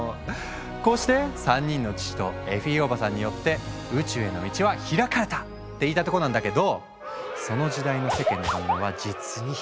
こうして３人の父とエフィーおばさんによって宇宙への道は開かれた！って言いたいとこなんだけどその時代の世間の反応は実にひどいもんだったんだ。